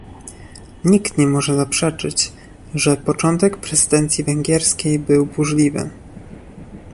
Nikt nie może zaprzeczyć, że początek prezydencji węgierskiej był burzliwy